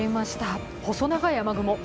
細長い雨雲。